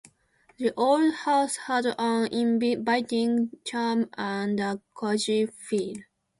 The old house had an inviting charm and a cozy feel.